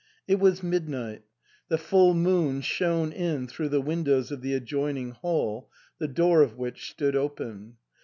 It was midnight ; the full moon shone in through the windows of the adjoin ing hall, the door of which stood open.